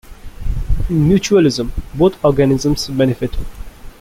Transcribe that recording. In mutualism, both organisms benefit.